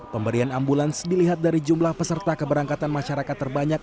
pemberian ambulans dilihat dari jumlah peserta keberangkatan masyarakat terbanyak